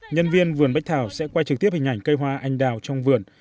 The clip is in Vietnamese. nhân viên vườn bách thảo sẽ quay trực tiếp hình ảnh cây hoa anh đào trong vườn